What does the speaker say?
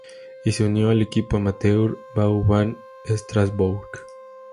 Y se unió al equipo Amateur Vauban Strasbourg.